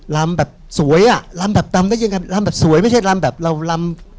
ลำแบบสวยอ่ะลำแบบดำได้ยังไงลำแบบสวยไม่ใช่ลำแบบเราลำ